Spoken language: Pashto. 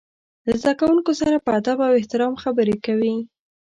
له زده کوونکو سره په ادب او احترام خبرې کوي.